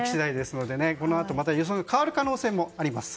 このあとまた予想が変わる可能性もあります。